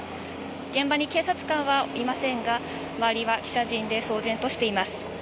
現場に警察官はいませんが周りは記者陣で騒然としています。